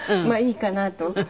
まあいいかなと。